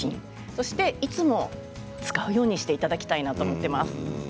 そして、いつも使うようにしていただきたいと思っています。